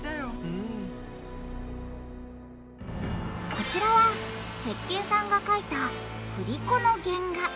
こちらは鉄拳さんがかいた「振り子」の原画。